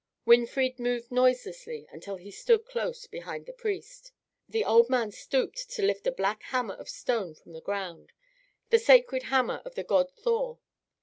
Winfried moved noiselessly until he stood close behind the priest. The old man stooped to lift a black hammer of stone from the ground, the sacred hammer of the god Thor.